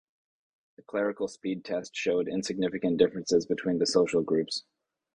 The clerical speed test showed insignificant differences between the social groups.